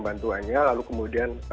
bantuannya lalu kemudian